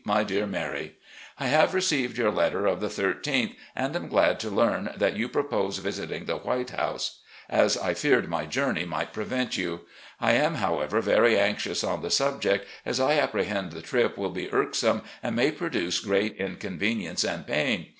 "My Dear Mary: I have received your letter of the 13th, and am glad to learn that you propose visiting the 398, RECOLLECTIONS OP GENERAL LEE * White House,' as I feared my journey might prevent you. I am, however, very anxious on the subject, as I appre hend the trip will be irksome and may produce great inconvenience and pain.